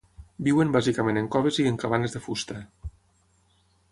Viuen bàsicament en coves i en cabanes de fusta.